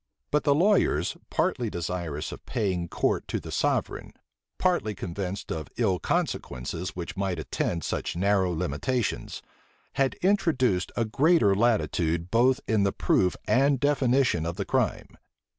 But the lawyers, partly desirous of paying court to the sovereign, partly convinced of ill consequences which might attend such narrow limitations, had introduced a greater latitude both in the proof and definition of the crime.